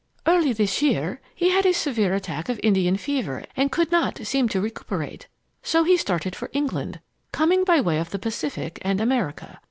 Early this year he had a severe attack of Indian fever and could not seem to recuperate, so he started for England, coming by way of the Pacific and America.